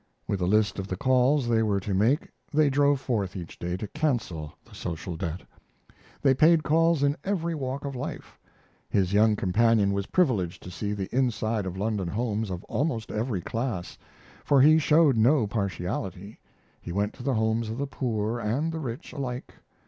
With a list of the calls they were to make they drove forth each day to cancel the social debt. They paid calls in every walk of life. His young companion was privileged to see the inside of London homes of almost every class, for he showed no partiality; he went to the homes of the poor and the rich alike.